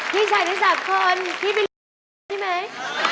พี่ชายที่สามคนพี่บิลลี่ใช่ไหม